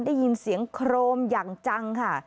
ได้ยินเสียงโครมอย่างจังค่ะ